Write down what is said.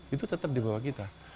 itu tetap di bawah kita